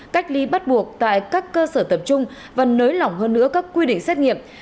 cách ly bắt buộc tại các cơ sở tập trung và nới lỏng hơn nữa các quy định xét nghiệm